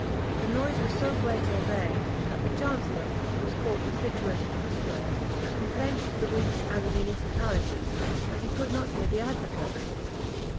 The noise was so great all day, that the chancellor, whose court was situated in the square, complained to the regent and the municipality, that he could not hear the advocates.